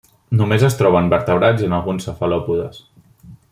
Només es troba en vertebrats i en alguns cefalòpodes.